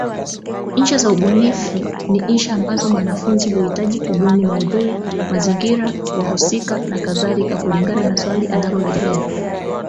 Insha za ubunifu ni insha ambazo mwanafunzi huhitaji kubuni maudhui, mazingira, wahusika, na kadhalika kulingana na swali analorejelea.